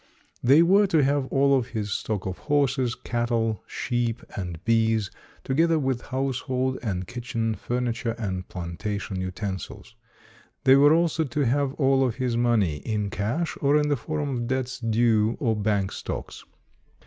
They were to have all of his stock of horses, cattle, sheep and bees, together with household and kitchen furni ture and plantation utensils. They were also to have all of his money, in cash or in the form of debts due or bank stocks.